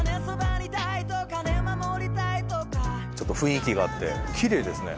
ちょっと雰囲気があってキレイですね。